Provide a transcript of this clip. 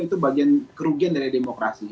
itu bagian kerugian dari demokrasi